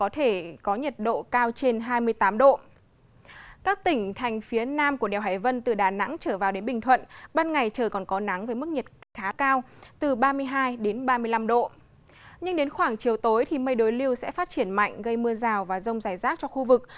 trên khoảng chiều tối mây đối lưu sẽ phát triển mạnh gây mưa rào và rông dài rác cho khu vực